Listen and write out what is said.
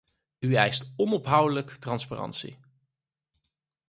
U eist onophoudelijk transparantie.